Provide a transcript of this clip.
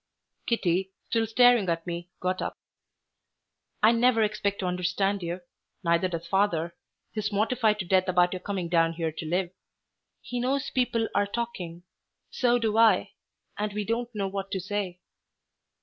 Kitty, still staring at me, got up. "I never expect to understand you. Neither does father. He's mortified to death about your coming down here to live. He knows people are talking; so do I; and we don't know what to say."